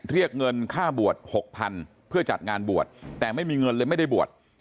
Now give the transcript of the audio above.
เรียกเงินค่าบวช๖๐๐๐เพื่อจัดงานบวชแต่ไม่มีเงินเลยไม่ได้บวช